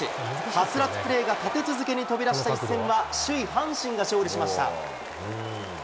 はつらつプレーが立て続けに飛び出した一戦は、首位阪神が勝利しました。